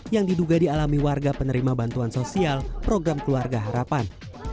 yang diduga dialami warga penerima bantuan sosial program keluarga harapan